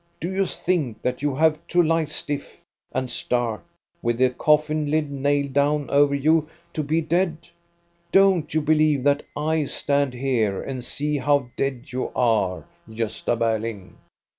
Do you think that you have to lie stiff and stark with a coffin lid nailed down over you to be dead ? Don't you believe that I stand here and see how dead you are, Gosta Berling?